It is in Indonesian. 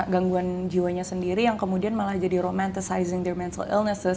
gangguan jiwanya sendiri yang kemudian malah jadi romanticizing their mental illnesses